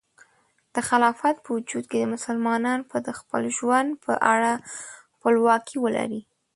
د خلافت په وجود کې، مسلمانان به د خپل ژوند په اړه خپلواکي ولري.